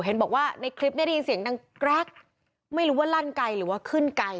เห็นบอกว่าในคลิปเนี่ยได้ยินเสียงดังแกรกไม่รู้ว่าลั่นไกลหรือว่าขึ้นไกล